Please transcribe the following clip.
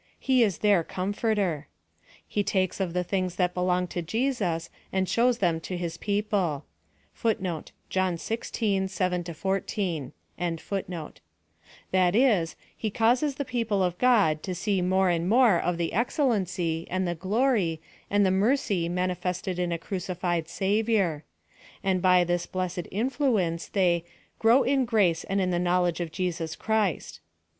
He is their Comforter. He takes of the things that belong to Jesus and shows them to his people.* That is, he causes the people of God to see more and more of the excellency, and the glory, and the mercy manifested in a crucified Savior; and by this blessed influence they "grow in irmce and in the knowledgfe of Jesus Christ."